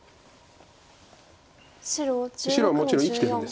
白はもちろん生きてるんです。